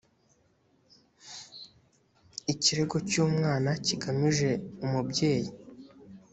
ikirego cy’umwana kigamije umubyeyi